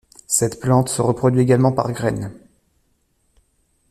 Cette plante se reproduit également par graines.